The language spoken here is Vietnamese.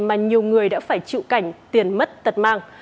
mà nhiều người đã phải chịu cảnh tiền mất tật mang